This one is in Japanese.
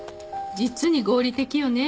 実に合理的よね。